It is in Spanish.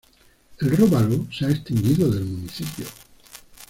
El róbalo, se ha extinguido del municipio.